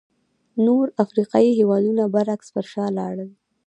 نور افریقایي هېوادونه برعکس پر شا لاړل.